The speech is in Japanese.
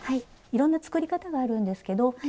いろんな作り方があるんですけど今日はね